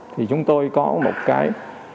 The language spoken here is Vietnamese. thì chúng tôi có một cái